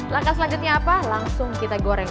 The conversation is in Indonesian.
langkah selanjutnya apa langsung kita goreng